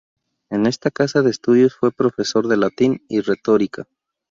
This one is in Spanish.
En esta casa de estudios, fue profesor de latín y retórica.